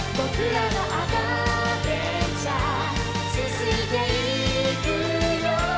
「続いていくよ」